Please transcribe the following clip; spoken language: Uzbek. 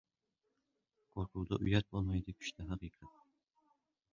• Qo‘rquvda uyat bo‘lmaydi, kuchda ― haqiqat.